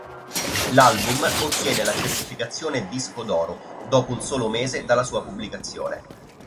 L'album ottiene la certificazione disco d'oro, dopo un solo mese dalla sua pubblicazione.